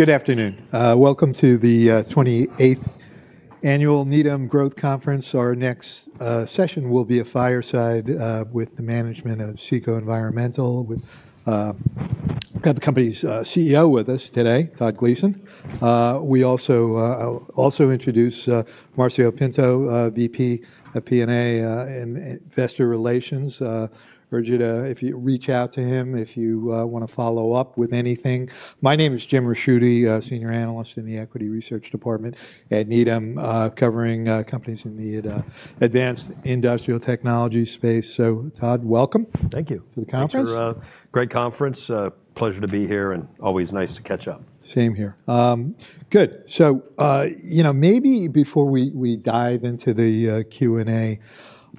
Good afternoon. Welcome to the 28th Annual Needham Growth Conference. Our next session will be a fireside with the management of CECO Environmental, with the company's CEO with us today, Todd Gleason. We also introduce Marcio Pinto, VP of FP&A and Investor Relations. Urge you to reach out to him if you want to follow up with anything. My name is Jim Ricchiuti, Senior Analyst in the Equity Research Department at Needham, covering companies in the advanced industrial technology space. So, Todd, welcome. Thank you. To the conference. Thanks. Great conference. Pleasure to be here and always nice to catch up. Same here. Good. So, you know, maybe before we dive into the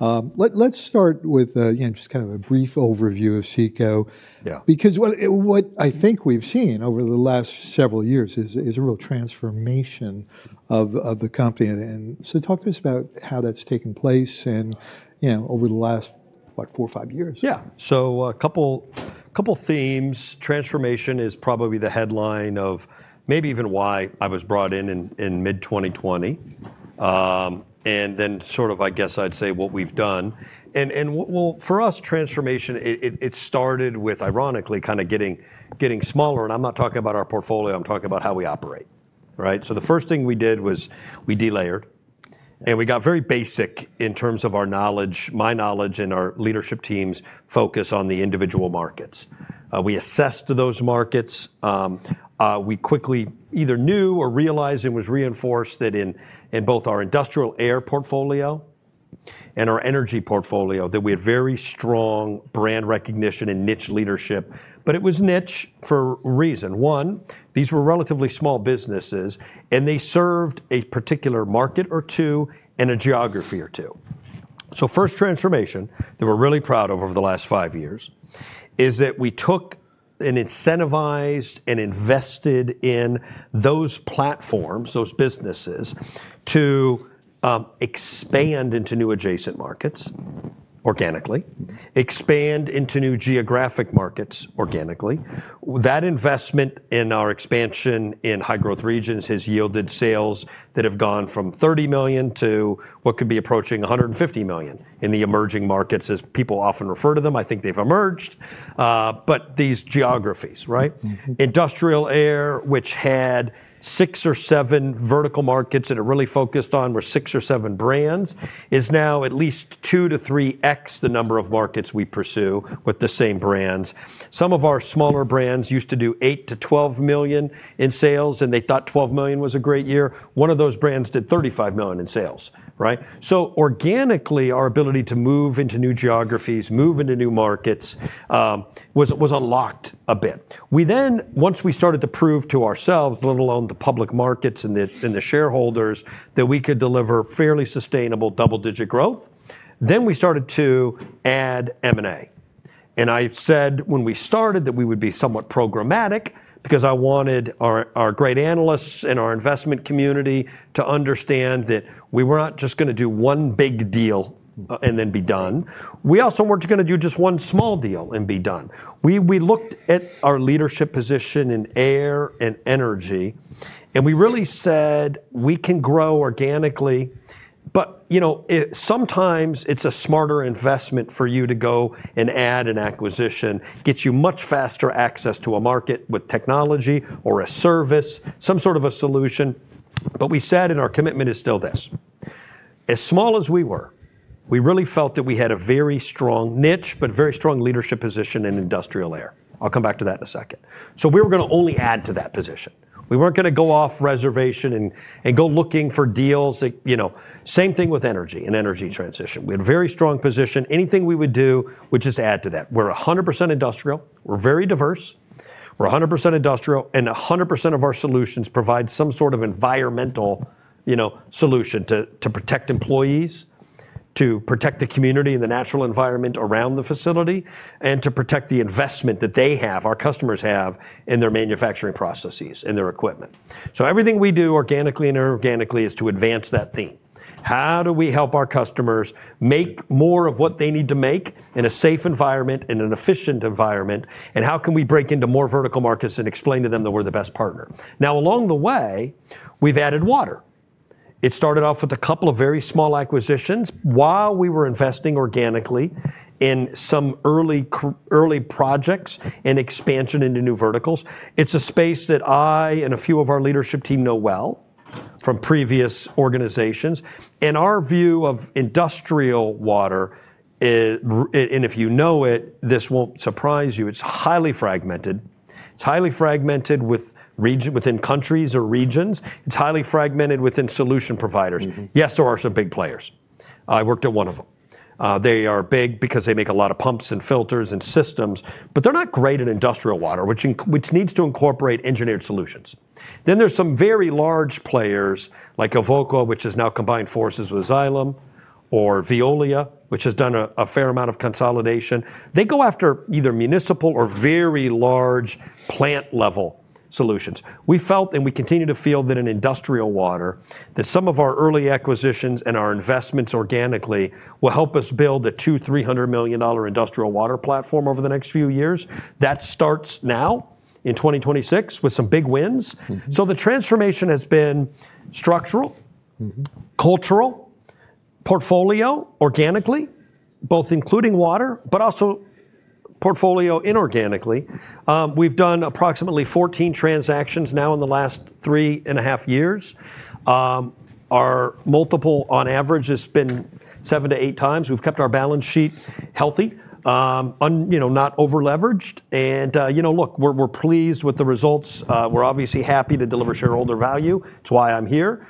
Q&A, let's start with just kind of a brief overview of CECO. Yeah. Because what I think we've seen over the last several years is a real transformation of the company. And so talk to us about how that's taken place over the last, what, four or five years. Yeah. So a couple of themes. Transformation is probably the headline of maybe even why I was brought in in mid-2020, and then sort of, I guess I'd say what we've done, and for us, transformation, it started with, ironically, kind of getting smaller, and I'm not talking about our portfolio. I'm talking about how we operate, right, so the first thing we did was we delayered, and we got very basic in terms of our knowledge, my knowledge, and our leadership team's focus on the individual markets. We assessed those markets. We quickly either knew or realized and was reinforced that in both our industrial air portfolio and our energy portfolio, that we had very strong brand recognition and niche leadership, but it was niche for a reason. One, these were relatively small businesses, and they served a particular market or two and a geography or two. So first transformation that we're really proud of over the last five years is that we took and incentivized and invested in those platforms, those businesses, to expand into new adjacent markets organically, expand into new geographic markets organically. That investment in our expansion in high-growth regions has yielded sales that have gone from $30 million to what could be approaching $150 million in the emerging markets, as people often refer to them. I think they've emerged. But these geographies, right? Industrial air, which had six or seven vertical markets that it really focused on, were six or seven brands, is now at least two to three X the number of markets we pursue with the same brands. Some of our smaller brands used to do $8-$12 million in sales, and they thought $12 million was a great year. One of those brands did $35 million in sales. Right? So organically, our ability to move into new geographies, move into new markets was unlocked a bit. We then, once we started to prove to ourselves, let alone the public markets and the shareholders, that we could deliver fairly sustainable double-digit growth, then we started to add M&A. And I said when we started that we would be somewhat programmatic because I wanted our great analysts and our investment community to understand that we were not just going to do one big deal and then be done. We also weren't just going to do just one small deal and be done. We looked at our leadership position in air and energy, and we really said we can grow organically. But sometimes it's a smarter investment for you to go and add an acquisition. It gets you much faster access to a market with technology or a service, some sort of a solution. But we said in our commitment is still this. As small as we were, we really felt that we had a very strong niche, but a very strong leadership position in industrial air. I'll come back to that in a second. So we were going to only add to that position. We weren't going to go off reservation and go looking for deals. Same thing with energy and energy transition. We had a very strong position. Anything we would do would just add to that. We're 100% industrial. We're very diverse. We're 100% industrial, and 100% of our solutions provide some sort of environmental solution to protect employees, to protect the community and the natural environment around the facility, and to protect the investment that they have, our customers have, in their manufacturing processes and their equipment. So everything we do organically and inorganically is to advance that theme. How do we help our customers make more of what they need to make in a safe environment and an efficient environment? And how can we break into more vertical markets and explain to them that we're the best partner? Now, along the way, we've added water. It started off with a couple of very small acquisitions while we were investing organically in some early projects and expansion into new verticals. It's a space that I and a few of our leadership team know well from previous organizations. Our view of industrial water, and if you know it, this won't surprise you, it's highly fragmented. It's highly fragmented within countries or regions. It's highly fragmented within solution providers. Yes, there are some big players. I worked at one of them. They are big because they make a lot of pumps and filters and systems, but they're not great in industrial water, which needs to incorporate engineered solutions. Then there's some very large players like Evoqua, which has now combined forces with Xylem, or Veolia, which has done a fair amount of consolidation. They go after either municipal or very large plant-level solutions. We felt, and we continue to feel that in industrial water, that some of our early acquisitions and our investments organically will help us build a $200 to $300 million industrial water platform over the next few years. That starts now in 2026 with some big wins. So the transformation has been structural, cultural, portfolio organically, both including water, but also portfolio inorganically. We've done approximately 14 transactions now in the last three and a half years. Our multiple on average has been seven to eight times. We've kept our balance sheet healthy, not over-leveraged. And look, we're pleased with the results. We're obviously happy to deliver shareholder value. It's why I'm here.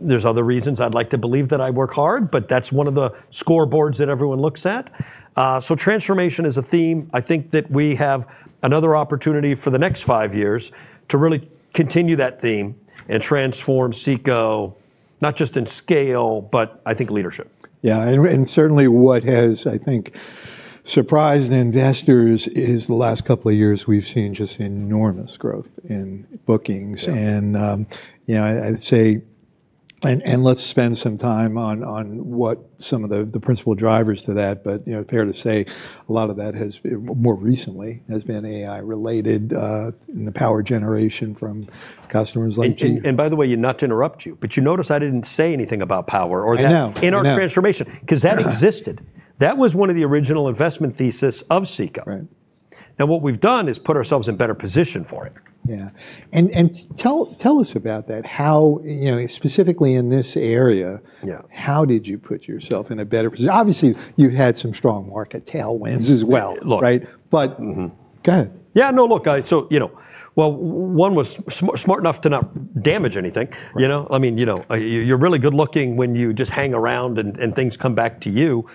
There's other reasons I'd like to believe that I work hard, but that's one of the scoreboards that everyone looks at. So transformation is a theme. I think that we have another opportunity for the next five years to really continue that theme and transform CECO, not just in scale, but I think leadership. Yeah. And certainly what has, I think, surprised investors is the last couple of years we've seen just enormous growth in bookings. And I'd say, and let's spend some time on what some of the principal drivers to that. But fair to say a lot of that has more recently been AI-related in the power generation from customers like GE. And by the way, not to interrupt you, but you notice I didn't say anything about power or that in our transformation because that existed. That was one of the original investment theses of CECO. Now what we've done is put ourselves in a better position for it. Yeah. And tell us about that. How specifically in this area, how did you put yourself in a better position? Obviously, you've had some strong market tailwinds as well. Right? But go ahead. Yeah. No, look, so you know one was smart enough to not damage anything. I mean, you're really good looking when you just hang around and things come back to you.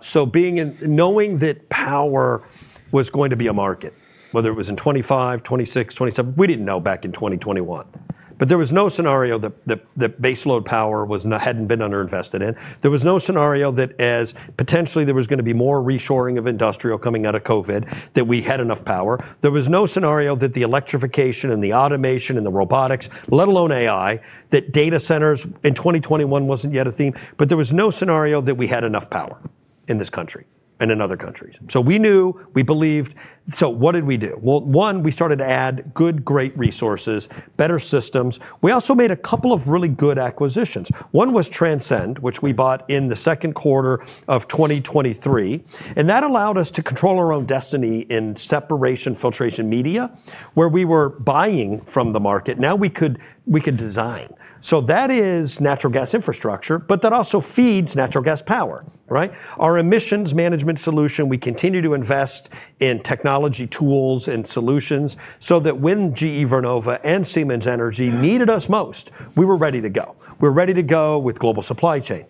So knowing that power was going to be a market, whether it was in 2025, 2026, 2027, we didn't know back in 2021. But there was no scenario that baseload power hadn't been underinvested in. There was no scenario that as potentially there was going to be more reshoring of industrial coming out of COVID, that we had enough power. There was no scenario that the electrification and the automation and the robotics, let alone AI, that data centers in 2021 wasn't yet a theme. But there was no scenario that we had enough power in this country and in other countries. So we knew, we believed. So what did we do? One, we started to add good, great resources, better systems. We also made a couple of really good acquisitions. One was Transcend, which we bought in the second quarter of 2023. That allowed us to control our own destiny in separation filtration media, where we were buying from the market. Now we could design. That is natural gas infrastructure, but that also feeds natural gas power. Right? Our emissions management solution, we continue to invest in technology tools and solutions so that when GE Vernova and Siemens Energy needed us most, we were ready to go. We were ready to go with global supply chain.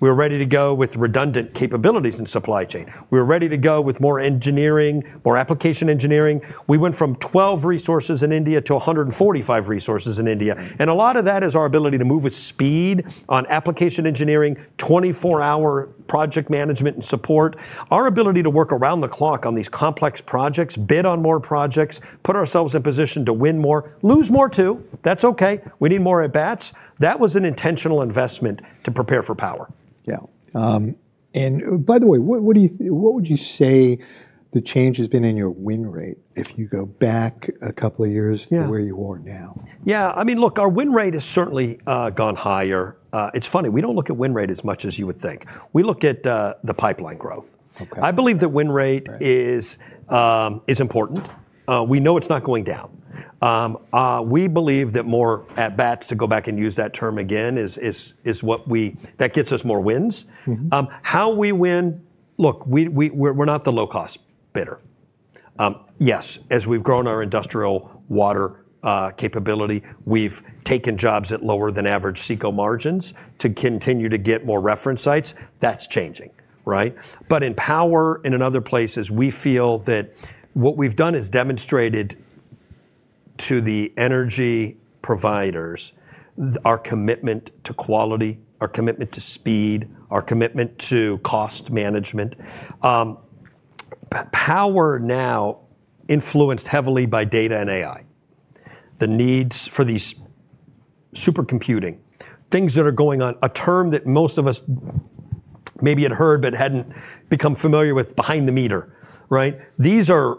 We were ready to go with redundant capabilities in supply chain. We were ready to go with more engineering, more application engineering. We went from 12 resources in India to 145 resources in India. A lot of that is our ability to move with speed on application engineering, 24-hour project management and support. Our ability to work around the clock on these complex projects, bid on more projects, put ourselves in position to win more, lose more too. That's okay. We need more at bats. That was an intentional investment to prepare for power. Yeah. And by the way, what would you say the change has been in your win rate if you go back a couple of years to where you are now? Yeah. I mean, look, our win rate has certainly gone higher. It's funny. We don't look at win rate as much as you would think. We look at the pipeline growth. I believe that win rate is important. We know it's not going down. We believe that more at bats, to go back and use that term again, is what we that gets us more wins. How we win? Look, we're not the low-cost bidder. Yes, as we've grown our industrial water capability, we've taken jobs at lower than average CECO margins to continue to get more reference sites. That's changing. Right? But in power and in other places, we feel that what we've done has demonstrated to the energy providers our commitment to quality, our commitment to speed, our commitment to cost management. Power now influenced heavily by data and AI. The needs for these supercomputing things that are going on, a term that most of us maybe had heard but hadn't become familiar with: behind the meter. Right? These are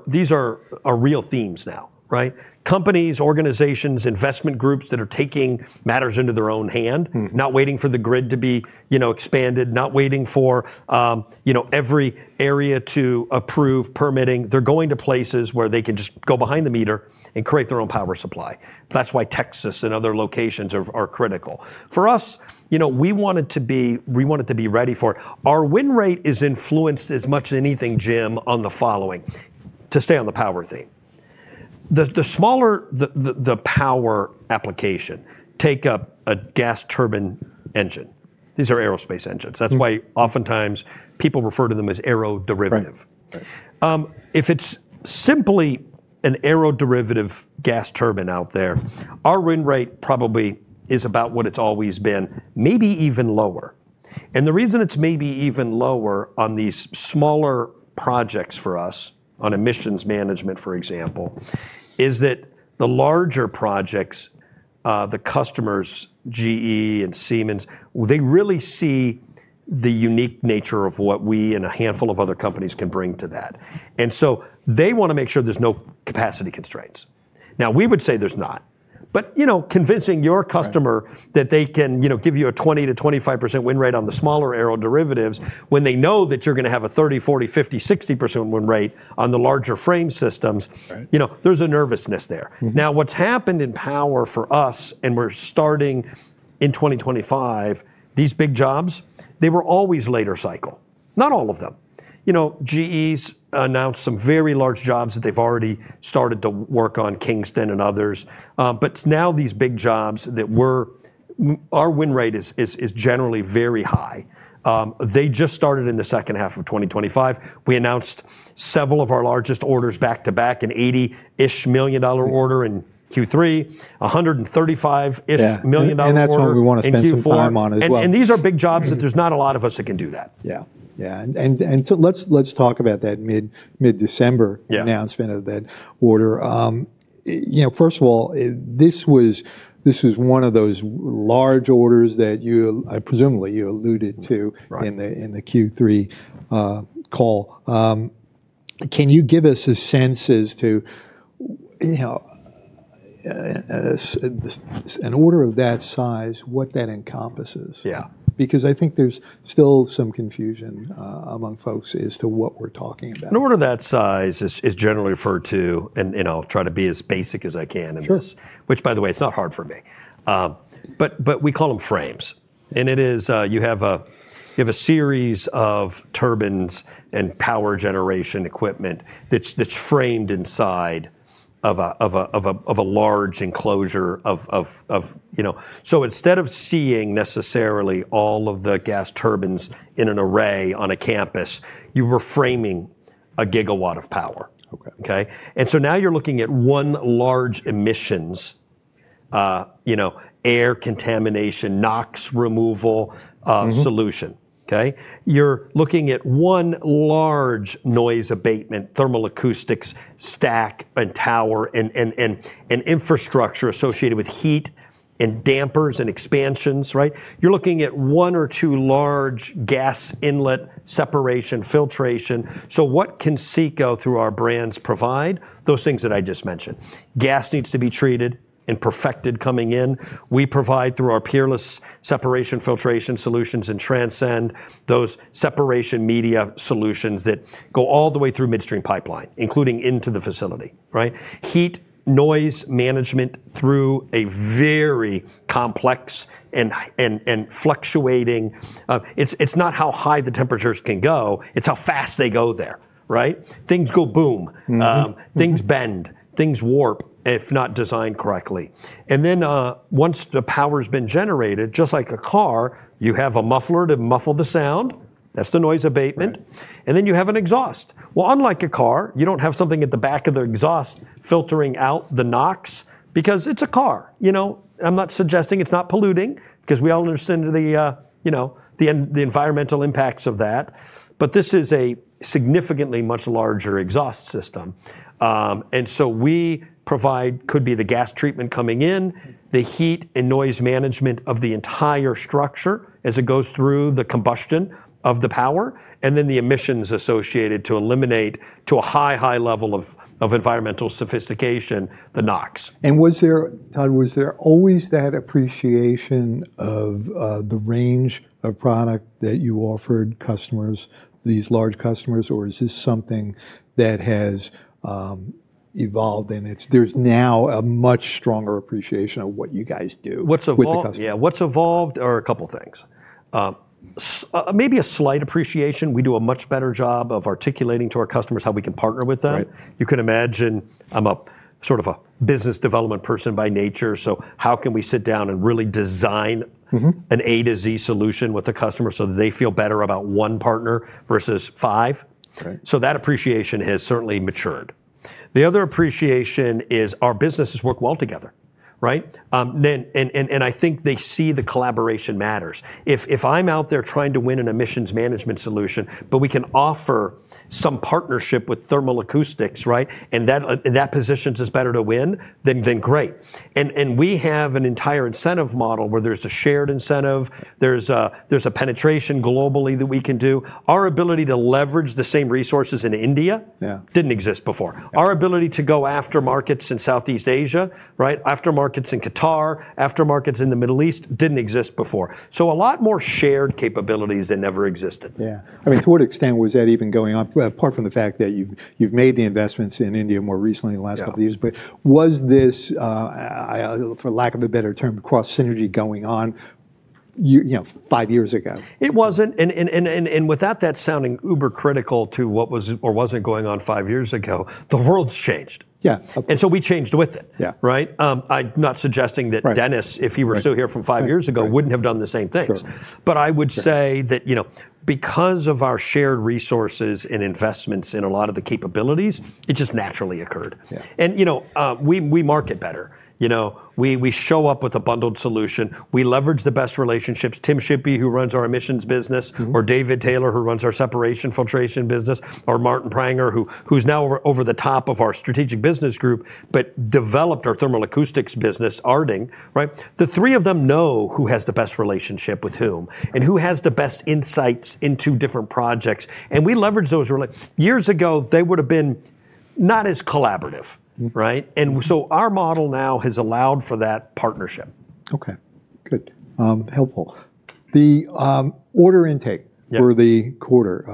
real themes now. Right? Companies, organizations, investment groups that are taking matters into their own hand, not waiting for the grid to be expanded, not waiting for every area to approve permitting. They're going to places where they can just go behind the meter and create their own power supply. That's why Texas and other locations are critical. For us, we wanted to be ready for it. Our win rate is influenced as much as anything, Jim, on the following to stay on the power theme. The smaller the power application, take a gas turbine engine. These are aerospace engines. That's why oftentimes people refer to them as aeroderivative. If it's simply an aeroderivative gas turbine out there, our win rate probably is about what it's always been, maybe even lower. And the reason it's maybe even lower on these smaller projects for us on emissions management, for example, is that the larger projects, the customers, GE and Siemens, they really see the unique nature of what we and a handful of other companies can bring to that. And so they want to make sure there's no capacity constraints. Now, we would say there's not. But convincing your customer that they can give you a 20%-25% win rate on the smaller aeroderivatives when they know that you're going to have a 30%, 40%, 50%, 60% win rate on the larger frame systems, there's a nervousness there. Now, what's happened in power for us, and we're starting in 2025, these big jobs, they were always later cycle. Not all of them. GE's announced some very large jobs that they've already started to work on, Kingston and others. But now these big jobs where our win rate is generally very high. They just started in the second half of 2025. We announced several of our largest orders back to back, an $80-ish million order in Q3, $135-ish million order in Q4. That's where we want to spend some time on as well. These are big jobs that there's not a lot of us that can do that. Yeah. Yeah. And so let's talk about that mid-December announcement of that order. First of all, this was one of those large orders that you presumably alluded to in the Q3 call. Can you give us a sense as to an order of that size, what that encompasses? Yeah, because I think there's still some confusion among folks as to what we're talking about. An order of that size is generally referred to, and I'll try to be as basic as I can, which, by the way, it's not hard for me. But we call them frames. And it is you have a series of turbines and power generation equipment that's framed inside of a large enclosure. So instead of seeing necessarily all of the gas turbines in an array on a campus, you were framing a gigawatt of power. Okay? And so now you're looking at one large emissions, air contamination, NOx removal solution. Okay? You're looking at one large noise abatement, thermal acoustics, stack and tower, and infrastructure associated with heat and dampers and expansions. Right? You're looking at one or two large gas inlet separation filtration. So what can CECO through our brands provide? Those things that I just mentioned. Gas needs to be treated and perfected coming in. We provide through our Peerless separation filtration solutions and Transcend, those separation media solutions that go all the way through midstream pipeline, including into the facility. Right? Heat and noise management through a very complex and fluctuating. It's not how high the temperatures can go. It's how fast they go there. Right? Things go boom. Things bend. Things warp if not designed correctly. And then once the power has been generated, just like a car, you have a muffler to muffle the sound. That's the noise abatement. And then you have an exhaust. Well, unlike a car, you don't have something at the back of the exhaust filtering out the NOx because it's a car. I'm not suggesting it's not polluting because we all understand the environmental impacts of that. But this is a significantly much larger exhaust system. And so we provide could be the gas treatment coming in, the heat and noise management of the entire structure as it goes through the combustion of the power, and then the emissions associated to eliminate to a high, high level of environmental sophistication, the NOx. Was there, Todd, was there always that appreciation of the range of product that you offered customers, these large customers, or is this something that has evolved and there's now a much stronger appreciation of what you guys do with the customer? Yeah. What's evolved are a couple of things. Maybe a slight appreciation. We do a much better job of articulating to our customers how we can partner with them. You can imagine I'm sort of a business development person by nature. So how can we sit down and really design an A to Z solution with the customer so that they feel better about one partner versus five? So that appreciation has certainly matured. The other appreciation is our businesses work well together. Right? And I think they see the collaboration matters. If I'm out there trying to win an emissions management solution, but we can offer some partnership with thermal acoustics, right, and that positions us better to win, then great. And we have an entire incentive model where there's a shared incentive. There's a penetration globally that we can do. Our ability to leverage the same resources in India didn't exist before. Our ability to go after markets in Southeast Asia, right, after markets in Qatar, after markets in the Middle East didn't exist before. So a lot more shared capabilities than ever existed. Yeah. I mean, to what extent was that even going on, apart from the fact that you've made the investments in India more recently in the last couple of years? But was this, for lack of a better term, cross synergy going on five years ago? It wasn't. And without that sounding uber critical to what was or wasn't going on five years ago, the world's changed. Yeah. And so we changed with it. Right? I'm not suggesting that Dennis, if he were still here from five years ago, wouldn't have done the same things. But I would say that because of our shared resources and investments in a lot of the capabilities, it just naturally occurred. And we market better. We show up with a bundled solution. We leverage the best relationships. Tim Shippee, who runs our emissions business, or David Taylor, who runs our separation filtration business, or Martin Pranger, who's now over the top of our strategic business group, but developed our thermal acoustics business, Aarding. Right? The three of them know who has the best relationship with whom and who has the best insights into different projects. And we leverage those relationships. Years ago, they would have been not as collaborative. Right? And so our model now has allowed for that partnership. Okay. Good. Helpful. The order intake for the quarter,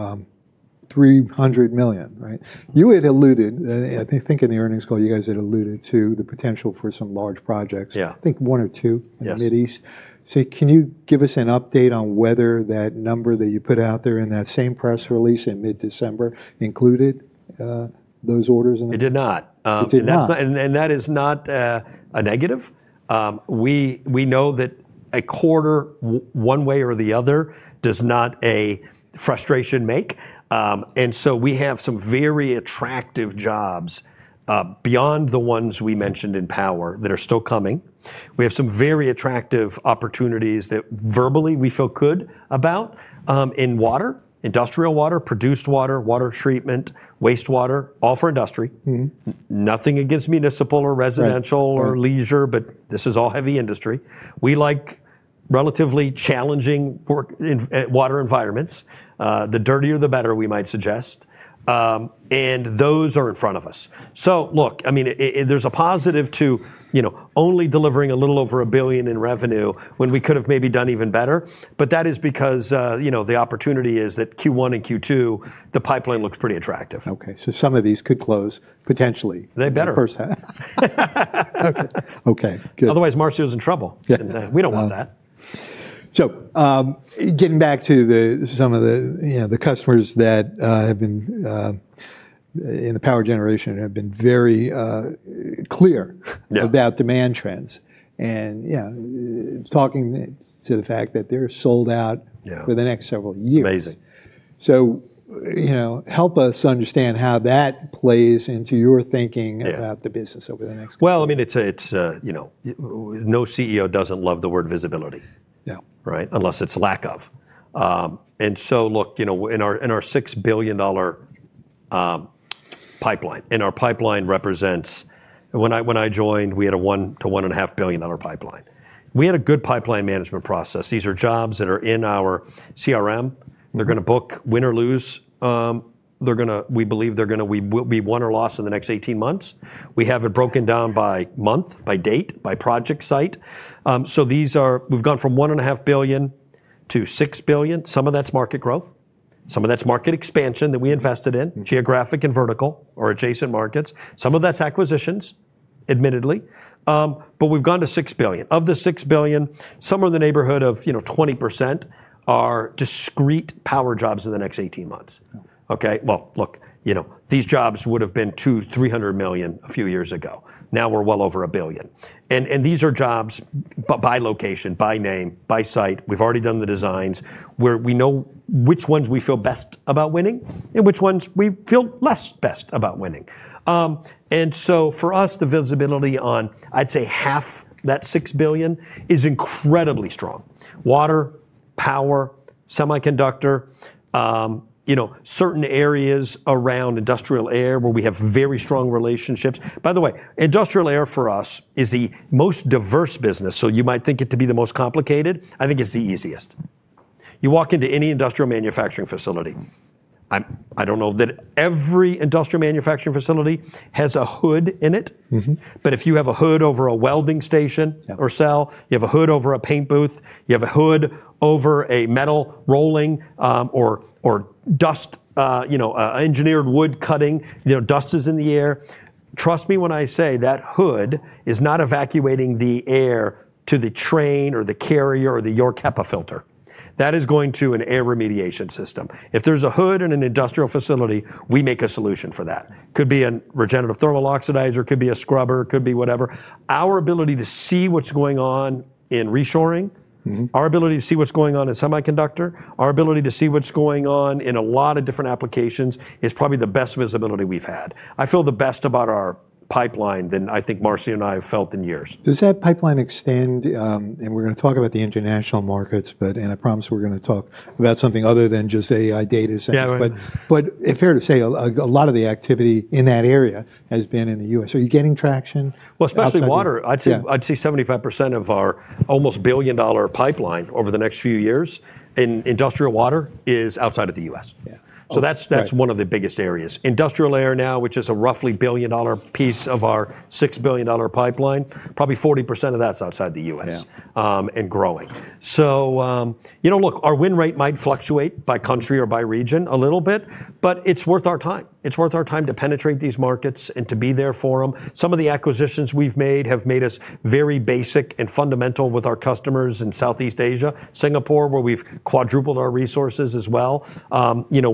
$300 million. Right? You had alluded, and I think in the earnings call, you guys had alluded to the potential for some large projects, I think one or two in the Mideast. So can you give us an update on whether that number that you put out there in that same press release in mid-December included those orders? It did not. And that is not a negative. We know that a quarter one way or the other does not a frustration make. And so we have some very attractive jobs beyond the ones we mentioned in power that are still coming. We have some very attractive opportunities that verbally we feel good about in water, industrial water, produced water, water treatment, wastewater, all for industry. Nothing against municipal or residential or leisure, but this is all heavy industry. We like relatively challenging water environments. The dirtier, the better, we might suggest. And those are in front of us. So look, I mean, there's a positive to only delivering a little over $1 billion in revenue when we could have maybe done even better. But that is because the opportunity is that Q1 and Q2, the pipeline looks pretty attractive. Okay. So some of these could close potentially. They better. Okay. Good. Otherwise, Marcio's in trouble. We don't want that. Getting back to some of the customers that have been in the power generation have been very clear about demand trends. Yeah, talking to the fact that they're sold out for the next several years. Amazing. So help us understand how that plays into your thinking about the business over the next few years? Well, I mean, no CEO doesn't love the word visibility. Right? Unless it's a lack of. And so look, in our $6 billion pipeline, and our pipeline represents when I joined, we had a $1-$1.5 billion pipeline. We had a good pipeline management process. These are jobs that are in our CRM. They're going to book win or lose. We believe they're going to be won or lost in the next 18 months. We have it broken down by month, by date, by project site. So we've gone from $1.5-$6 billion. Some of that's market growth. Some of that's market expansion that we invested in, geographic and vertical or adjacent markets. Some of that's acquisitions, admittedly. But we've gone to $6 billion. Of the $6 billion, some of the neighborhood of 20% are discrete power jobs in the next 18 months. Okay? Look, these jobs would have been $200-$300 million a few years ago. Now we're well over a billion. These are jobs by location, by name, by site. We've already done the designs where we know which ones we feel best about winning and which ones we feel less best about winning. For us, the visibility on, I'd say, half that $6 billion is incredibly strong. Water, power, semiconductor, certain areas around industrial air where we have very strong relationships. By the way, industrial air for us is the most diverse business. You might think it to be the most complicated. I think it's the easiest. You walk into any industrial manufacturing facility. I don't know that every industrial manufacturing facility has a hood in it. But if you have a hood over a welding station or cell, you have a hood over a paint booth. You have a hood over a metal rolling or dust, engineered wood cutting. Dust is in the air. Trust me when I say that hood is not evacuating the air to the drain or the cartridge or the York HEPA filter. That is going to an air remediation system. If there's a hood in an industrial facility, we make a solution for that. It could be a regenerative thermal oxidizer. It could be a scrubber. It could be whatever. Our ability to see what's going on in reshoring, our ability to see what's going on in semiconductor, our ability to see what's going on in a lot of different applications is probably the best visibility we've had. I feel the best about our pipeline than I think Marcio and I have felt in years. Does that pipeline extend? And we're going to talk about the international markets, but I promise we're going to talk about something other than just AI data centers. But fair to say a lot of the activity in that area has been in the U.S. Are you getting traction? Especially water. I'd say 75% of our almost billion-dollar pipeline over the next few years in industrial water is outside of the U.S. So that's one of the biggest areas. Industrial air now, which is a roughly billion-dollar piece of our $6 billion pipeline, probably 40% of that's outside the U.S. and growing. So look, our win rate might fluctuate by country or by region a little bit, but it's worth our time. It's worth our time to penetrate these markets and to be there for them. Some of the acquisitions we've made have made us very basic and fundamental with our customers in Southeast Asia, Singapore, where we've quadrupled our resources as well.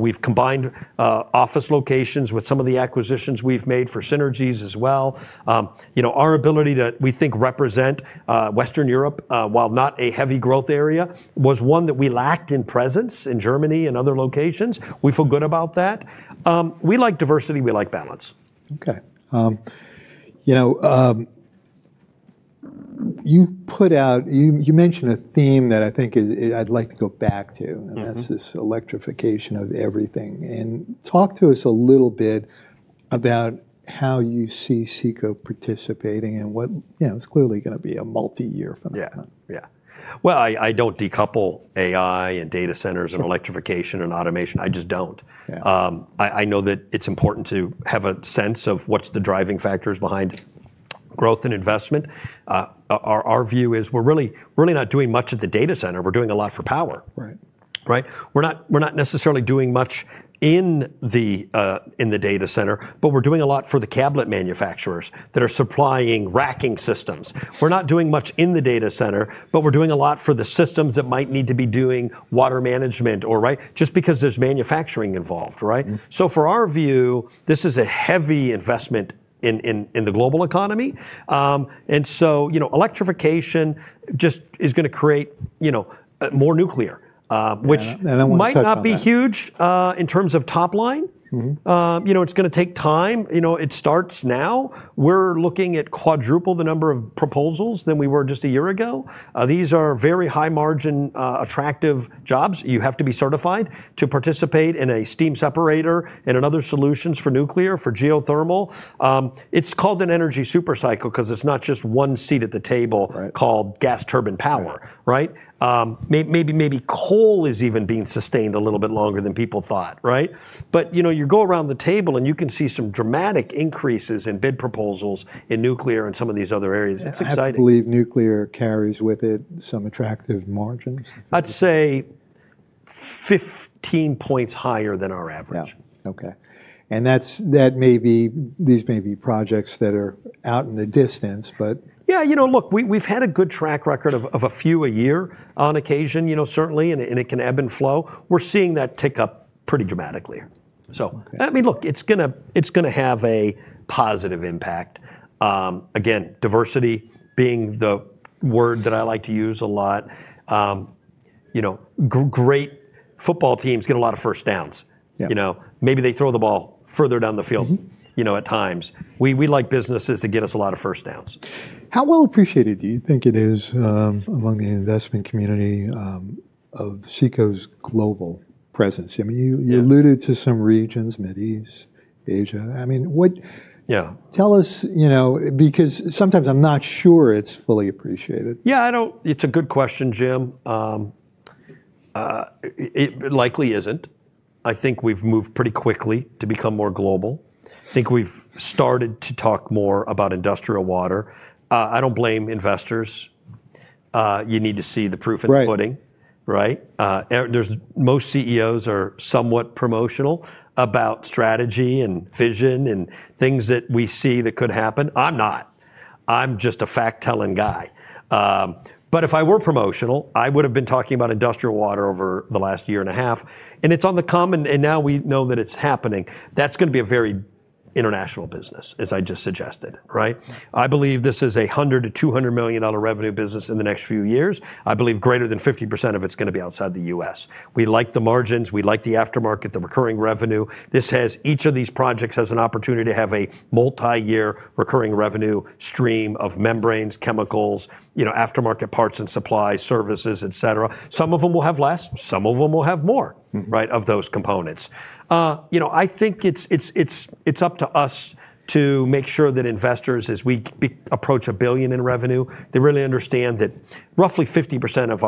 We've combined office locations with some of the acquisitions we've made for synergies as well. Our ability to, we think, represent Western Europe, while not a heavy growth area, was one that we lacked in presence in Germany and other locations. We feel good about that. We like diversity. We like balance. Okay. You mentioned a theme that I think I'd like to go back to, and that's this electrification of everything, and talk to us a little bit about how you see CECO participating and what it's clearly going to be a multi-year phenomenon. Yeah. Yeah. Well, I don't decouple AI and data centers and electrification and automation. I just don't. I know that it's important to have a sense of what's the driving factors behind growth and investment. Our view is we're really not doing much at the data center. We're doing a lot for power. Right? We're not necessarily doing much in the data center, but we're doing a lot for the cabinet manufacturers that are supplying racking systems. We're not doing much in the data center, but we're doing a lot for the systems that might need to be doing water management or just because there's manufacturing involved. Right? So for our view, this is a heavy investment in the global economy. And so electrification just is going to create more nuclear, which might not be huge in terms of top line. It's going to take time. It starts now. We're looking at quadruple the number of proposals than we were just a year ago. These are very high-margin, attractive jobs. You have to be certified to participate in a steam separator and in other solutions for nuclear, for geothermal. It's called an energy supercycle because it's not just one seat at the table called gas turbine power. Right? Maybe coal is even being sustained a little bit longer than people thought. Right? But you go around the table and you can see some dramatic increases in bid proposals in nuclear and some of these other areas. It's exciting. I believe nuclear carries with it some attractive margins? I'd say 15 points higher than our average. Yeah. Okay. And these may be projects that are out in the distance, but. Yeah. You know, look, we've had a good track record of a few a year on occasion, certainly, and it can ebb and flow. We're seeing that tick up pretty dramatically. So I mean, look, it's going to have a positive impact. Again, diversity being the word that I like to use a lot. Great football teams get a lot of first downs. Maybe they throw the ball further down the field at times. We like businesses that get us a lot of first downs. How well appreciated do you think it is among the investment community of CECO's global presence? I mean, you alluded to some regions, Middle East, Asia. I mean, tell us, because sometimes I'm not sure it's fully appreciated. Yeah. It's a good question, Jim. It likely isn't. I think we've moved pretty quickly to become more global. I think we've started to talk more about industrial water. I don't blame investors. You need to see the proof in the pudding. Right? Most CEOs are somewhat promotional about strategy and vision and things that we see that could happen. I'm not. I'm just a fact-telling guy. But if I were promotional, I would have been talking about industrial water over the last year and a half. And it's on the come up, and now we know that it's happening. That's going to be a very international business, as I just suggested. Right? I believe this is a $100-$200 million revenue business in the next few years. I believe greater than 50% of it's going to be outside the U.S. We like the margins. We like the aftermarket, the recurring revenue. Each of these projects has an opportunity to have a multi-year recurring revenue stream of membranes, chemicals, aftermarket parts and supplies, services, et cetera. Some of them will have less. Some of them will have more of those components. I think it's up to us to make sure that investors, as we approach a billion in revenue, they really understand that roughly 50% of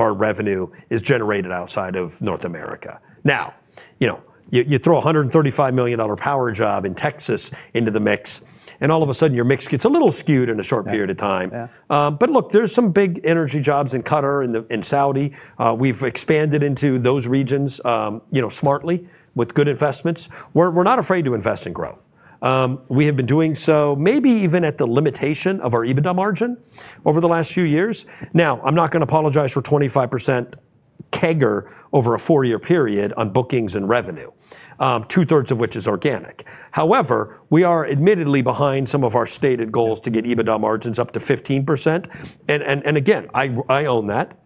our revenue is generated outside of North America. Now, you throw a $135 million power job in Texas into the mix, and all of a sudden, your mix gets a little skewed in a short period of time. But look, there's some big energy jobs in Qatar and Saudi. We've expanded into those regions smartly with good investments. We're not afraid to invest in growth. We have been doing so, maybe even at the limitation of our EBITDA margin over the last few years. Now, I'm not going to apologize for 25% CAGR over a four-year period on bookings and revenue, two-thirds of which is organic. However, we are admittedly behind some of our stated goals to get EBITDA margins up to 15%. And again, I own that.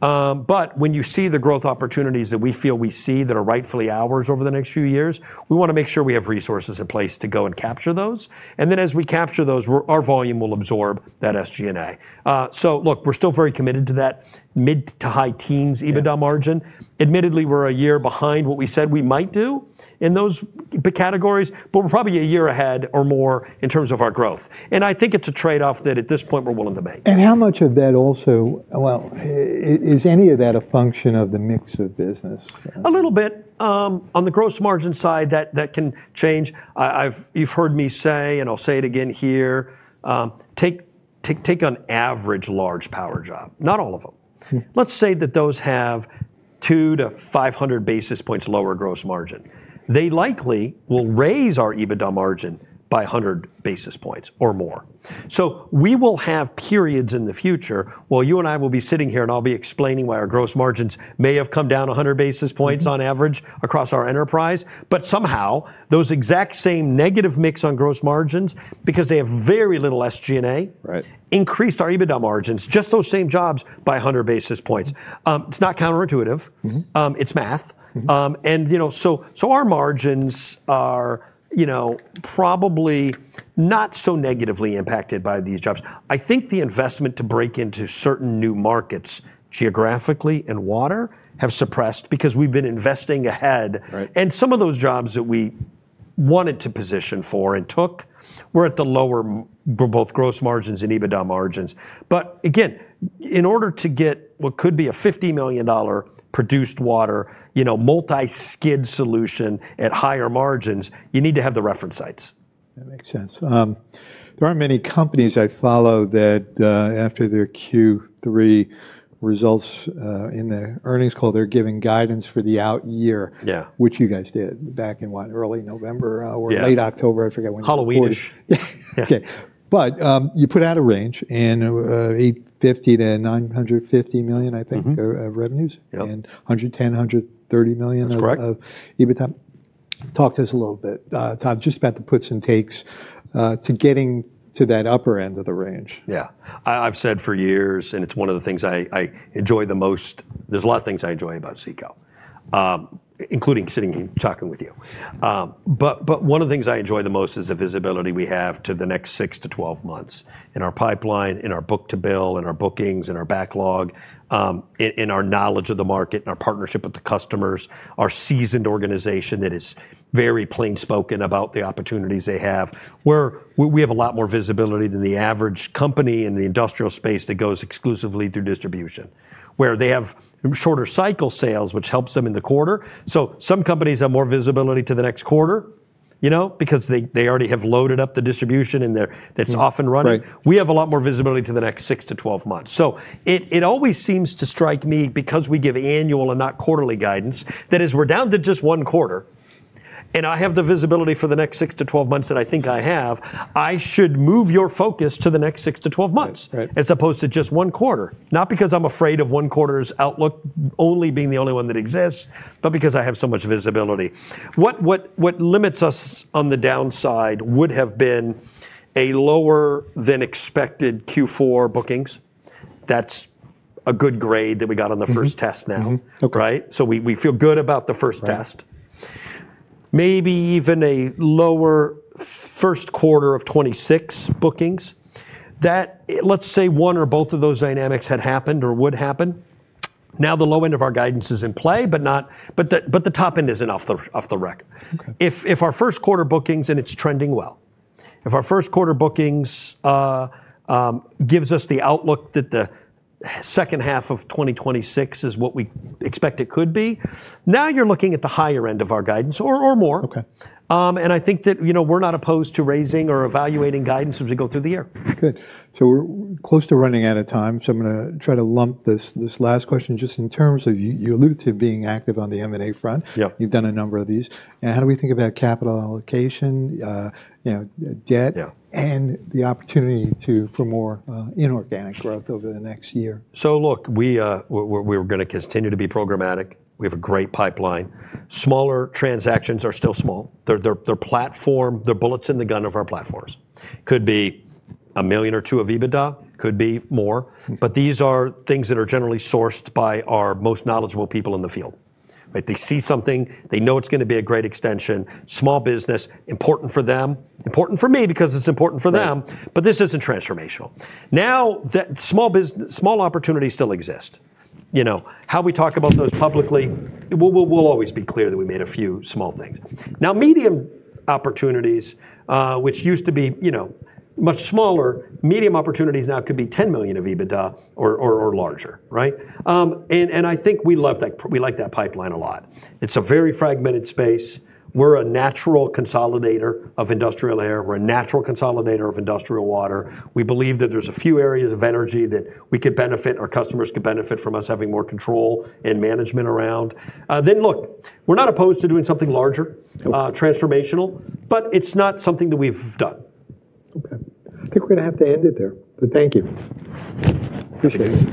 But when you see the growth opportunities that we feel we see that are rightfully ours over the next few years, we want to make sure we have resources in place to go and capture those. And then as we capture those, our volume will absorb that SG&A. So look, we're still very committed to that mid- to high-teens EBITDA margin. Admittedly, we're a year behind what we said we might do in those categories, but we're probably a year ahead or more in terms of our growth. And I think it's a trade-off that at this point we're willing to make. How much of that also, well, is any of that a function of the mix of business? A little bit. On the gross margin side, that can change. You've heard me say, and I'll say it again here, take an average large power job, not all of them. Let's say that those have 2-500 basis points lower gross margin. They likely will raise our EBITDA margin by 100 basis points or more. So we will have periods in the future where you and I will be sitting here and I'll be explaining why our gross margins may have come down 100 basis points on average across our enterprise. But somehow, those exact same negative mix on gross margins, because they have very little SG&A, increased our EBITDA margins, just those same jobs by 100 basis points. It's not counterintuitive. It's math, and so our margins are probably not so negatively impacted by these jobs. I think the investment to break into certain new markets geographically and water have suppressed because we've been investing ahead, and some of those jobs that we wanted to position for and took were at the lower both gross margins and EBITDA margins, but again, in order to get what could be a $50 million produced water multi-skid solution at higher margins, you need to have the reference sites. That makes sense. There aren't many companies I follow that after their Q3 results in the earnings call, they're giving guidance for the out year, which you guys did back in what, early November or late October? I forget when. Halloween-ish. Okay. But you put out a range in $850-$950 million, I think, of revenues and $110-$130 million of EBITDA. Talk to us a little bit, Tom, just about the puts and takes to getting to that upper end of the range. Yeah. I've said for years, and it's one of the things I enjoy the most. There's a lot of things I enjoy about CECO, including sitting and talking with you. But one of the things I enjoy the most is the visibility we have to the next 6 to 12 months in our pipeline, in our book to bill, in our bookings, in our backlog, in our knowledge of the market, in our partnership with the customers, our seasoned organization that is very plainspoken about the opportunities they have. We have a lot more visibility than the average company in the industrial space that goes exclusively through distribution, where they have shorter cycle sales, which helps them in the quarter. So some companies have more visibility to the next quarter because they already have loaded up the distribution and it's off and running. We have a lot more visibility to the next 6 to 12 months. So it always seems to strike me because we give annual and not quarterly guidance, that as we're down to just one quarter and I have the visibility for the next 6 to 12 months that I think I have, I should move your focus to the next 6 to 12 months as opposed to just one quarter. Not because I'm afraid of one quarter's outlook only being the only one that exists, but because I have so much visibility. What limits us on the downside would have been a lower than expected Q4 bookings. That's a good grade that we got on the first test now. Right? So we feel good about the first test. Maybe even a lower first quarter of 2026 bookings. Let's say one or both of those dynamics had happened or would happen. Now the low end of our guidance is in play, but the top end isn't off the record. If our first quarter bookings and it's trending well. If our first quarter bookings gives us the outlook that the second half of 2026 is what we expect it could be, now you're looking at the higher end of our guidance or more, and I think that we're not opposed to raising or evaluating guidance as we go through the year. Good. So we're close to running out of time. So I'm going to try to lump this last question just in terms of you alluded to being active on the M&A front. You've done a number of these. And how do we think about capital allocation, debt, and the opportunity for more inorganic growth over the next year? So look, we're going to continue to be programmatic. We have a great pipeline. Smaller transactions are still small. They're platform. They're bullets in the gun of our platforms. Could be a million or two of EBITDA, could be more. But these are things that are generally sourced by our most knowledgeable people in the field. They see something. They know it's going to be a great extension. Small business, important for them, important for me because it's important for them, but this isn't transformational. Now, small opportunities still exist. How we talk about those publicly, we'll always be clear that we made a few small things. Now, medium opportunities, which used to be much smaller, medium opportunities now could be 10 million of EBITDA or larger. Right? And I think we like that pipeline a lot. It's a very fragmented space. We're a natural consolidator of industrial air. We're a natural consolidator of industrial water. We believe that there's a few areas of energy that we could benefit, our customers could benefit from us having more control and management around. Look, we're not opposed to doing something larger, transformational, but it's not something that we've done. Okay. I think we're going to have to end it there. But thank you. Appreciate it.